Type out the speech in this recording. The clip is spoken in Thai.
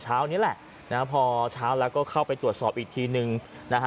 นี้แหละนะฮะพอเช้าแล้วก็เข้าไปตรวจสอบอีกทีนึงนะฮะ